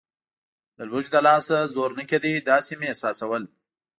د لوږې له لاسه زور نه کېده، داسې مې احساسول.